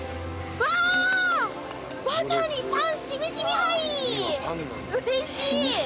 うれしい！